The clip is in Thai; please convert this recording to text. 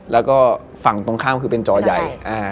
แล้วก็ฝั่งตรงข้ามคือเป็นจอใหญ่